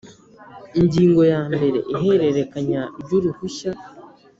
Ingingo ya mbere Ihererekanya ry uruhushya